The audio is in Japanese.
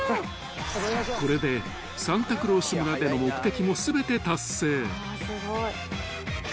［これでサンタクロース村での目的も全て達成］